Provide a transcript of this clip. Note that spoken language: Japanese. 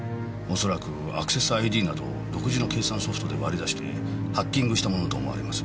恐らくアクセスＩＤなど独自の計算ソフトで割り出してハッキングしたものと思われます。